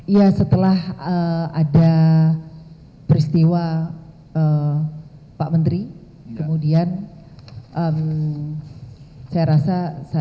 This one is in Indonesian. iya setelah ada peristiwa pak menteri kemudian saya rasa saya